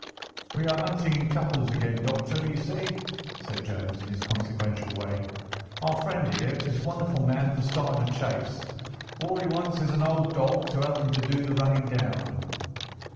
"We're hunting in couples again, Doctor, you see," said Jones in his consequential way. "Our friend here is a wonderful man for starting a chase. All he wants is an old dog to help him to do the running down."